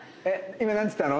今何っつったの？」